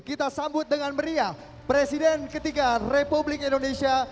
kita sambut dengan meriah presiden ketiga republik indonesia